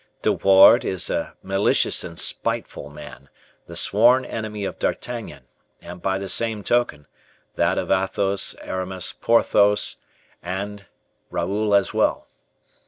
De Wardes is a malicious and spiteful man, the sworn enemy of D'Artagnan, and, by the same token, that of Athos, Aramis, Porthos, and Raoul as well.